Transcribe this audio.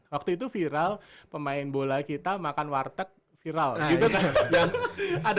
waktu itu viral pemain bola kita makan warteg viral gitu kan